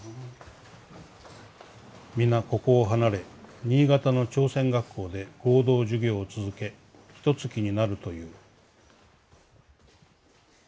「皆ここを離れ新潟の朝鮮学校で合同授業を続けひと月になるという」。